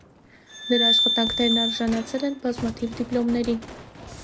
Նրա աշխատանքներն արժանացել են բազմաթիվ դիպլոմների։